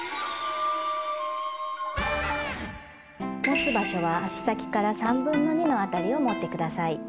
持つ場所は箸先から３分の２の辺りを持ってください。